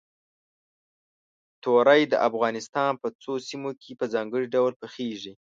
تورۍ د افغانستان په څو سیمو کې په ځانګړي ډول پخېږي.